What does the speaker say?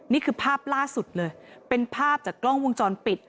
นี่คือภาพล่าสุดเลยเป็นภาพจากกล้องวงจรปิด